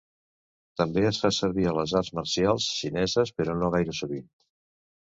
També es fa servir a les arts marcials xineses però no gaire sovint.